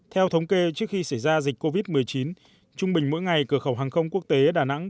theo thống kê trước khi xảy ra dịch covid một mươi chín trung bình mỗi ngày cửa khẩu hàng không quốc tế đà nẵng